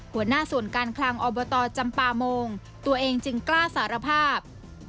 หัวหน้าส่วนการคลังอบตจำปาโมงตัวเองจึงกล้าสารภาพ